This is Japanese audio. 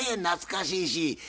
懐かしいし。